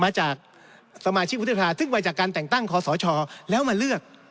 มาจากสมาชิกวุฒิสภาซึ่งไปจากการแต่งตั้งคอสชแล้วมาเลือก